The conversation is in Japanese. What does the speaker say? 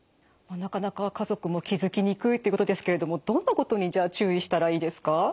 なかなか家族も気付きにくいということですけれどもどんなことにじゃあ注意したらいいですか？